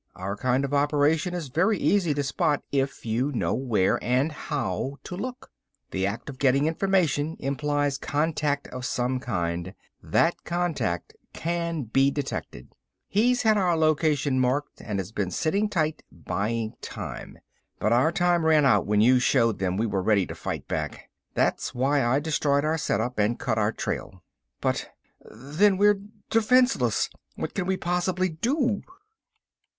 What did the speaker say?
Our kind of operation is very easy to spot if you know where and how to look. The act of getting information implies contact of some kind, that contact can be detected. He's had our location marked and has been sitting tight, buying time. But our time ran out when you showed them we were ready to fight back. That's why I destroyed our setup, and cut our trail." "But ... then we're defenseless! What can we possibly do?"